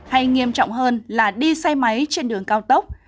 hay nghiêm trọng hơn là đi xe máy trên đường cao tốc